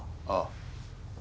ああ。